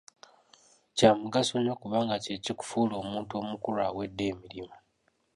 Kya mugaso nnyo, kubanga kye kikufuula omuntu omukulu awedde emirimu.